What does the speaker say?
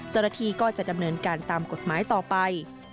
จะได้พบจรภีศก็จะดำเนินการตามกฎหมายต่อไป